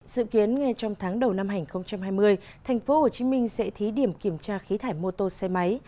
dự kiến ngay trong tháng đầu năm hai nghìn hai mươi thành phố hồ chí minh sẽ thí điểm kiểm tra khí thải mô tô xe máy